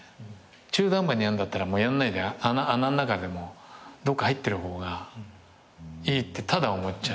中途半端にやるんだったらやらないで穴の中でもどっか入ってる方がいいってただ思っちゃう。